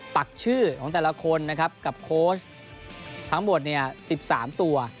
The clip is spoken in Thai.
ปักชื่อของแต่ละคนนะครับกับโค้ชทั้งหมด๑๓ตัว